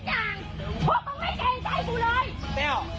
มึงไม่พามันไปกินน้ำเย็นที่บ้านกูเลย